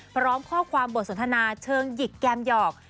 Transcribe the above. พร้อมข้อความบทสนทนาเชิงหยิกแกมหยอก